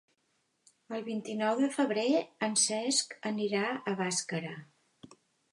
El vint-i-nou de febrer en Cesc anirà a Bàscara.